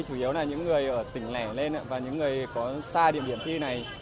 chủ yếu là những người ở tỉnh lẻ lên và những người có xa địa điểm thi này